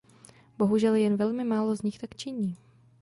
Bohužel jen velmi málo z nich tak činí.